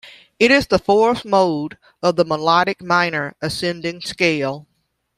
It is the fourth mode of the melodic minor ascending scale.